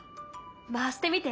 回してみて。